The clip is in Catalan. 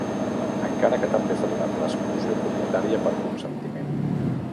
Encara que també s'ha donat l'exclusió propietària per consentiment.